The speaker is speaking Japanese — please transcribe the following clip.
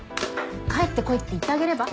帰ってこいって言ってあげれば？